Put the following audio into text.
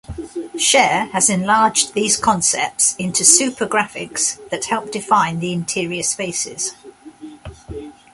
Scher has enlarged these concepts into super-graphics that help define the interior spaces.